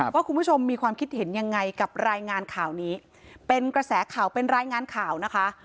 ว่าคุณผู้ชมมีความคิดเห็นยังไงกับรายงานข่าวนี้เป็นกระแสข่าวเป็นรายงานข่าวนะคะ